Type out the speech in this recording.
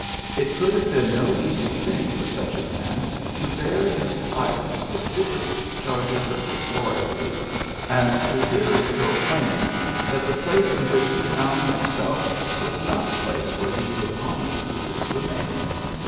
It could have been no easy thing for such a man to bear in silence the bitterest charges of disloyalty, and to hear it proclaimed that the place in which he found himself 102 PHILLIPS BECX)KS was not a place where he could honestly remain.